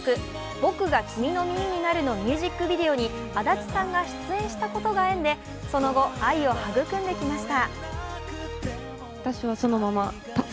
「僕が君の耳になる」のミュージックビデオに足立さんが出演したことが縁でその後、愛を育んできました。